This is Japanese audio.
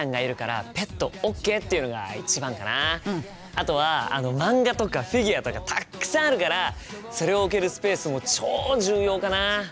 あとは漫画とかフィギュアとかたっくさんあるからそれを置けるスペースも超重要かな！